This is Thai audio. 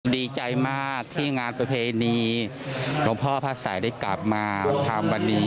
ดีใจมากที่งานประเพณีหลวงพ่อพระสัยได้กลับมาทำวันนี้